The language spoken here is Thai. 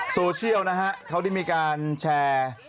โซเชียลนะฮะเขาได้มีการแชร์